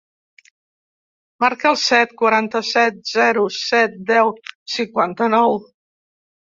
Marca el set, quaranta-set, zero, set, deu, cinquanta-nou.